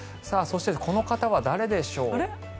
そして、この方は誰でしょう。